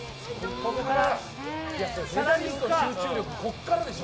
ここからでしょ。